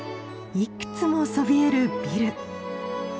いくつもそびえるビル。